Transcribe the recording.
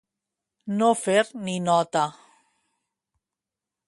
No fer ni nota.